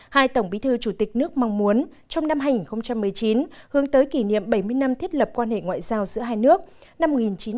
hai tổng bí thư chủ tịch nước mong muốn trong năm hai nghìn một mươi chín hướng tới kỷ niệm bảy mươi năm thiết lập quan hệ ngoại giao giữa hai nước năm một nghìn chín trăm năm mươi hai nghìn hai mươi